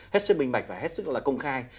hết sức bình bạch và hết sức là công khai